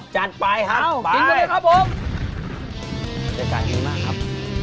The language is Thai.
จัดไปครับเอ้ากินกันเลยครับผมใกล้กันดีมากครับ